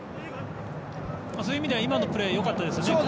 そういう意味では今のプレーは良かったですよね。